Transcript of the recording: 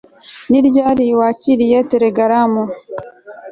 Ni ryari wakiriye telegaramu